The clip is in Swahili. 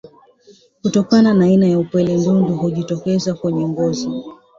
Kutokana na aina ya upele ndundu hujitokeza kwenye ngozi